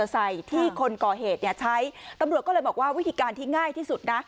ป้ายทะเบียนรถมอเตอร์ไซด์ที่คนก่อเหตุใช้ตำรวจก็เลยบอกว่าวิธีการที่ง่ายที่สุดนะ